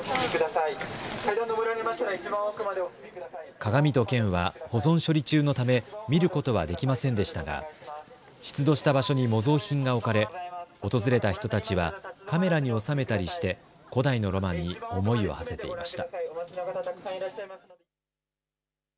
鏡と剣は保存処理中のため見ることはできませんでしたが出土した場所に模造品が置かれ訪れた人たちはカメラに収めたりして古代のロマンに思いをはせていました。